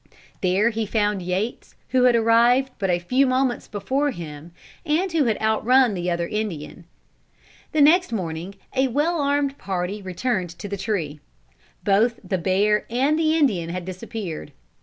There he found Yates who had arrived but a few moments before him, and who had outrun the other Indian. The next morning a well armed party returned to the tree. Both the bear and the Indian had disappeared.